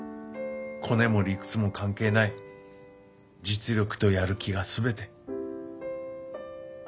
「コネも理屈も関係ない実力とやる気が全て」。